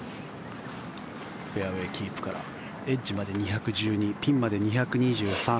フェアウェーキープからエッジまで２１２ピンまで２２３。